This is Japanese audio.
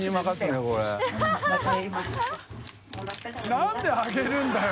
なんであげるんだよ！